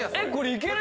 いける！